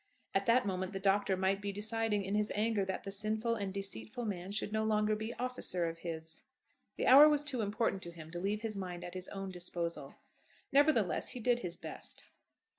At that moment the Doctor might be deciding in his anger that the sinful and deceitful man should no longer be "officer of his." The hour was too important to him to leave his mind at his own disposal. Nevertheless he did his best.